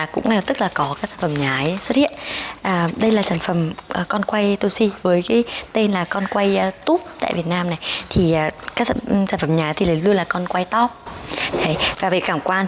có rất là nhiều